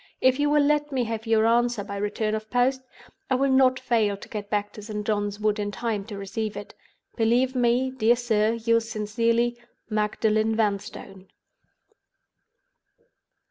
If you will let me have your answer by return of post, I will not fail to get back to St. John's Wood in time to receive it. "Believe me, dear sir, yours sincerely, "MAGDALEN VANSTONE."